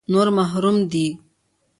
نور محروم دي.